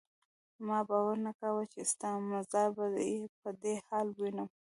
ما باور نه کاوه چې ستا مزار به په دې حال وینم.